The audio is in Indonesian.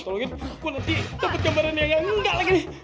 tolongin aku nanti dapet gambaran yang enggak lagi